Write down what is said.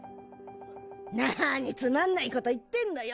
なにつまんないこと言ってんのよ！